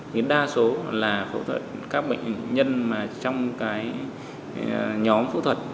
thì đa số là phẫu thuật các bệnh nhân mà trong cái nhóm phẫu thuật